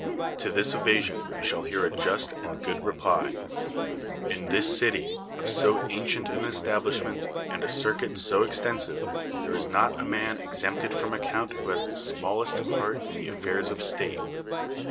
To this evasion you shall hear a just and good reply. In this city, of so ancient an establish ment and a circuit so extensive, there is not a man exempted from account who has the smallest part in the affairs of state.